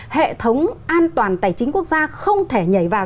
hệ thống an toàn tài chính quốc gia không thể nhảy vào